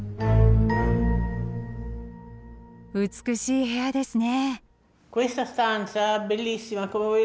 美しい部屋ですね。